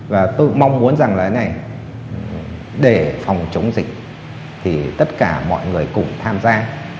và tôi mong muốn rằng là này để phòng chống dịch thì tất cả mọi người cùng tham gia